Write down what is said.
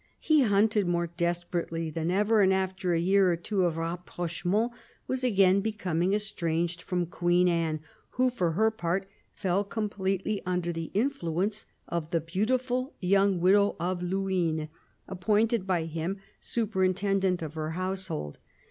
He hunted more desperately than ever, and after a year or two of rapprochement was again becoming estranged from Queen Anne, who for her part fell completely under the influence of the beautiful young widow of Luynes, appointed by him superintendent of her household.